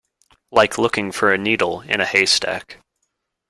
Like looking for a needle in a haystack.